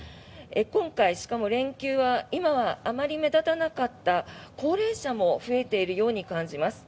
今回、しかも連休は今はあまり目立たなかった高齢者も増えているように感じます。